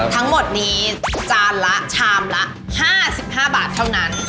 ทั้งหมดนี้จานละชามละ๕๕บาทเท่านั้น